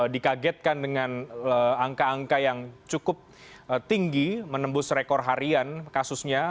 dikagetkan dengan angka angka yang cukup tinggi menembus rekor harian kasusnya